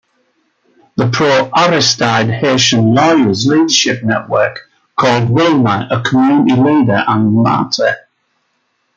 The pro-Aristide Haitian Lawyers Leadership Network called Wilmer a community leader and a martyr.